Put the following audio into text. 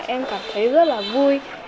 em cảm thấy rất là vui